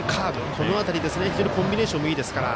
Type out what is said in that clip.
この辺り、非常にコンビネーションもいいですから。